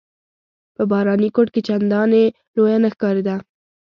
په باراني کوټ کې چنداني لویه نه ښکارېده.